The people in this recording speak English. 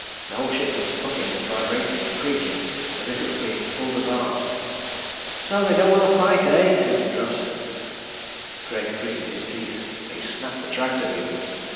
The whole ship was bucking and vibrating, creaking, as if it were being pulled apart. "So they don't want to fight, eh?" hooted Russ. Greg gritted his teeth. "They snapped the tractor beam."